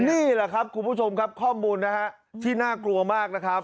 นี่แหละครับคุณผู้ชมครับข้อมูลนะฮะที่น่ากลัวมากนะครับ